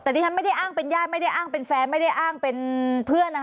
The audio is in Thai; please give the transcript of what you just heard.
แต่ดิฉันไม่ได้อ้างเป็นญาติไม่ได้อ้างเป็นแฟนไม่ได้อ้างเป็นเพื่อนนะคะ